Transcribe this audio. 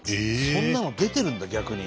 そんなの出てるんだ逆に。